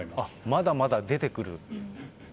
まだまだ出てくる？